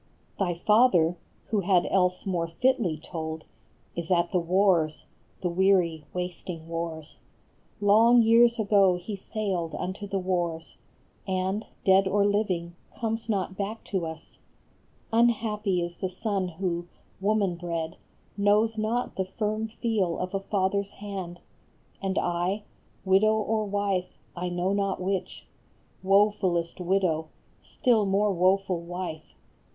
Thy father, who had else more fitly told, Is at the wars, the weary, wasting wars ; Long years ago he sailed unto the wars, And, dead or living, comes not back to us. Unhappy is the son who, woman bred, Knows not the firm feel of a father s hand ; And I, widow or wife, I know not which, Wofulest widow, still more woful wife !